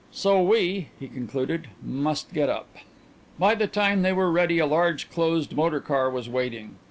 "So we," he concluded, "must get up." By the time they were ready a large closed motor car was waiting.